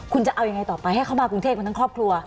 คุณจะเอายังไงต่อไปให้เขามากรุงเทพกันทั้งครอบครัว